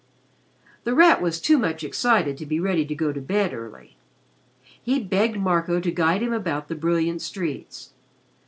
The Rat was too much excited to be ready to go to bed early. He begged Marco to guide him about the brilliant streets.